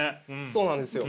そうなんですよ。